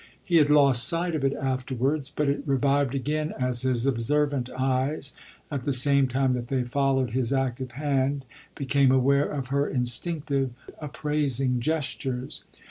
He had lost sight of it afterwards, but it revived again as his observant eyes, at the same time that they followed his active hand, became aware of her instinctive, appraising gestures.